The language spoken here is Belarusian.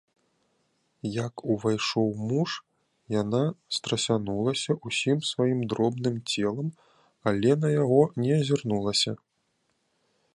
Як увайшоў муж, яна страсянулася ўсім сваім дробным целам, але на яго не азірнулася.